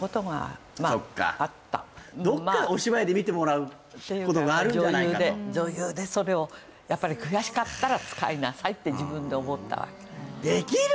どっかお芝居で見てもらうことがあるんじゃないかと女優でそれをやっぱりって自分で思ったわけできる？